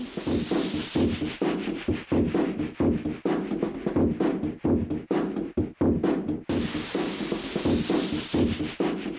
ออดดดดนต์